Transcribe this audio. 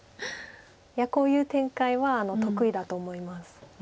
いやこういう展開は得意だと思います。